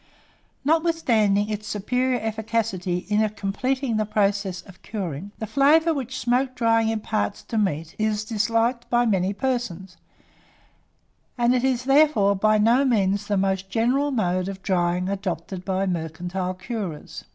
Notwithstanding its superior efficacy in completing the process of curing, the flavour which smoke drying imparts to meat is disliked by many persons, and it is therefore by no means the most general mode of drying adopted by mercantile curers.